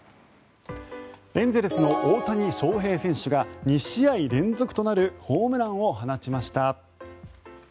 エンゼルスの大谷翔平選手が２試合連続となるホームランを放ちました。